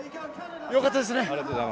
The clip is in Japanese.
よかったですね。